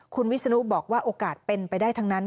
คุณวิศนุบอกว่าโอกาสเป็นไปได้ทั้งนั้น